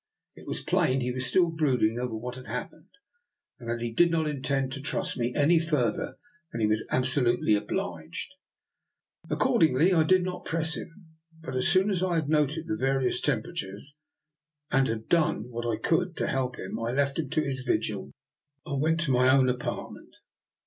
It was plain he was still brooding over what had happened, and that he did not intend to trust me any further than he was absolutely obliged. Accordingly, I did not press him; but, as soon as I had noted the various tem peratures, and had done what I could to help him, I left him to his vigil and went to my own apartment.